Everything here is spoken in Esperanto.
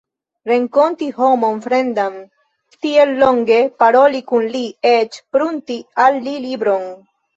Renkonti homon fremdan, tiel longe paroli kun li, eĉ prunti al li libron!